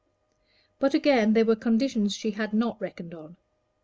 But again there were conditions she had not reckoned on.